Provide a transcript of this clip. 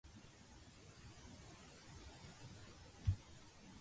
Gilbert Vinter served as its first principal conductor.